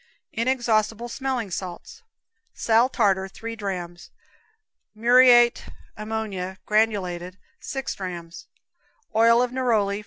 Inexhaustible Smelling Salts. Sal tartar, three drams; muriate ammonia, granulated, 6 drams; oil neroli.